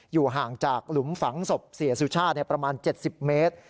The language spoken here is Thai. อยู่ห่างจากหลุมฝังศพเสียสุชาติประมาณ๗๐เมตร